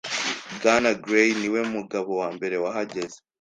Bwana Gray niwe mugabo wambere wahageze.